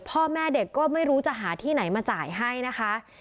พ่อแม่เด็กก็ไม่รู้จะหาที่ไหนมาจ่ายให้นะคะ